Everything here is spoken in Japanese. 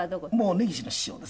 根岸の師匠で。